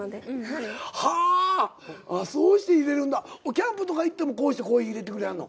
キャンプとか行ってもこうしてコーヒー入れてくれはんの？